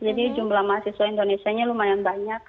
jadi jumlah mahasiswa indonesia nya lumayan banyak